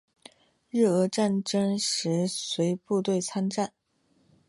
日俄战争时随部队参战。